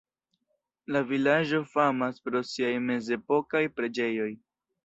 La vilaĝo famas pro siaj mezepokaj preĝejoj.